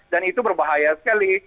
dan itu berbahaya sekali